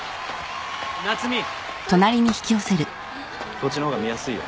こっちの方が見やすいよ。